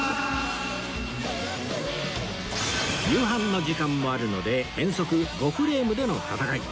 夕飯の時間もあるので変則５フレームでの戦い